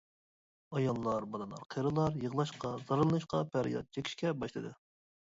ئاياللار، بالىلار، قېرىلار يىغلاشقا، زارلىنىشقا، پەرياد چېكىشكە باشلىدى.